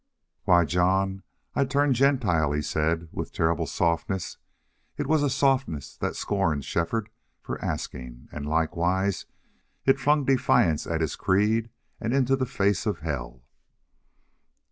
"Why, John, I'd turn Gentile," he said, with terrible softness. It was a softness that scorned Shefford for asking, and likewise it flung defiance at his creed and into the face of hell.